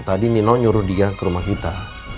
tadi nino nyuruh dia ke rumah kita